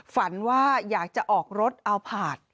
ฝันว่าอยากจะออกรถเอาผาด